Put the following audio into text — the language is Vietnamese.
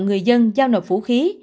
người dân giao nộp vũ khí